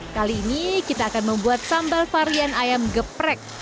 kali ini kita akan membuat sambal varian ayam geprek